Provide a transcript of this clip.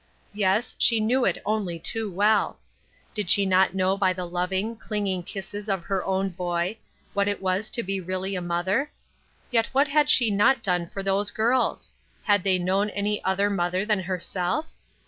Yes, she knew it only too well. Did she not know by the loving, clinging kisses of her own boy what it was to be really a mother ? Yet what had she not done for those girls ? Had they known any other mother than herself